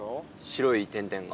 白い点々が。